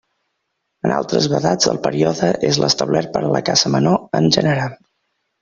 En altres vedats el període és l'establert per a la caça menor en general.